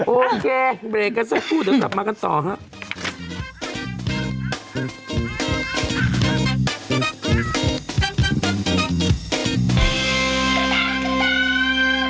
โอเคเบรกกันสักครู่เดี๋ยวกลับมากันต่อครับ